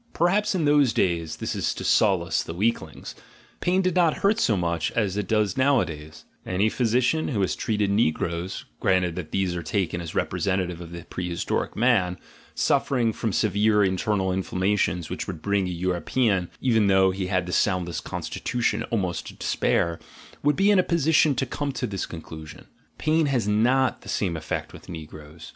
Perhaps in those days (this is to solace the weaklings) pain did not hurt so much as it does nowadays: any physician who has treated negroes (granted that these are taken as representative of the prehistoric man) suffering from severe internal inflammations which would bring a European, even though he had the soundest constitution, almost to despair, would be in a position to come to this conclusion. Pain has not the same effect with negroes.